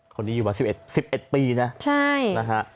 คนนี้อยู่มาสิบเอ็ดสิบเอ็ดปีน่ะใช่นะฮะ